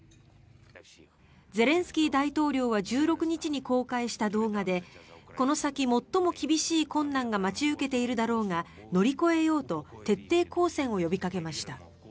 ゼレンスキー大統領は１６日に公開した動画でこの先、最も厳しい困難が待ち受けているだろうが乗り越えようと徹底抗戦を呼びかけました。